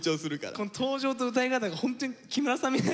この登場と歌い方がホントに木村さんみたい。